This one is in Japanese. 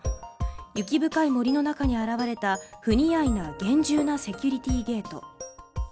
雪深い森の中に現れた不似合いな厳重なセキュリティーゲート。